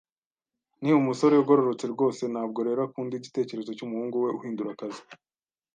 Ni umusore ugororotse rwose, ntabwo rero akunda igitekerezo cyumuhungu we uhindura akazi